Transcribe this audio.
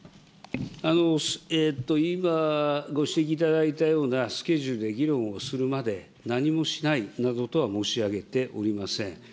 今、ご指摘いただいたようなスケジュールで議論をするまで、何もしないなどとは申し上げておりません。